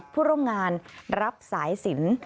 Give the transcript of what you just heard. ผู้ร่วมงานรับสายสิน